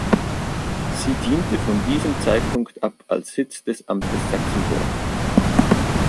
Sie diente von diesem Zeitpunkt ab als Sitz des Amtes Sachsenburg.